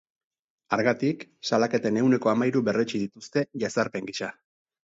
Hargatik, salaketen ehuneko hamairu berretsi dituzte jazarpen gisa.